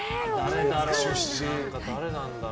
誰なんだろう。